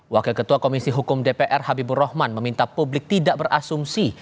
wakil ketua komisi hukum dpr habibur rahman meminta publik tidak berasumsi